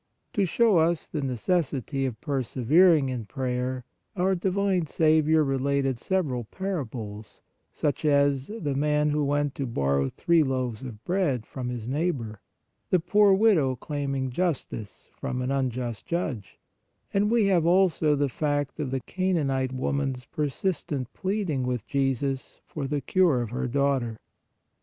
To show us the necessity of persevering in prayer our divine Saviour related several parables, such as : The man who went to borrow three loaves of bread from his neighbor, the poor widow claiming justice from an unjust judge, and we have also the fact of the Canaanite woman s persistent pleading with Jesus 52 PRAYER for the cure of her daughter.